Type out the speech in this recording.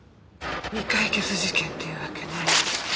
未解決事件っていうわけね。